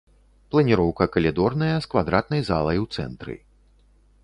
Планіроўка калідорная з квадратнай залай у цэнтры.